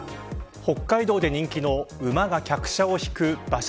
北海道で人気の馬が客車を引く馬車